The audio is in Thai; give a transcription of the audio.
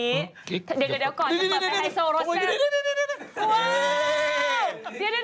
เดี๋ยวก่อนผมไปไฮโซรสแซ่บ